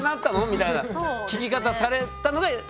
みたいな聞き方されたのがちょっと。